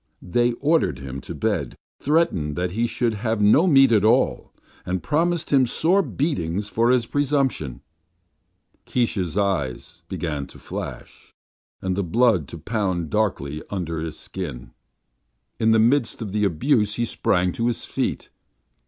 They ordered him to bed, threatened that he should have no meat at all, and promised him sore beatings for his presumption. Keesh's eyes began to flash, and the blood to pound darkly under his skin. In the midst of the abuse he sprang to his feet.